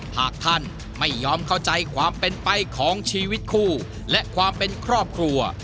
หากท่านไม่ยอมเข้าใจความเป็นไปของชีวิตคู่และความเป็นครอบครัว